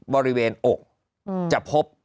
บริเวณอกจะพบ